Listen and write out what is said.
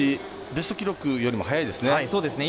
ベスト記録よりも早いですね。